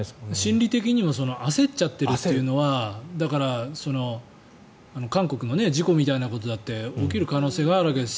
心理的にも焦っちゃっているというのはだから韓国の事故みたいなことだって起きる可能性があるわけです。